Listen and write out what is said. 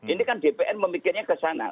ini kan dpr memikirnya ke sana